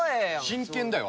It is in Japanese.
真剣だよ！